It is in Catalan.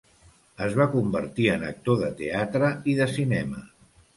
Es va convertir en actor de teatre i de cinema.